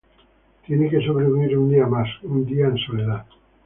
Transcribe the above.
Tiene que sobrevivir un día más, un día en soledad.